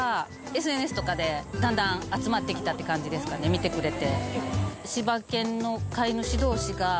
見てくれて。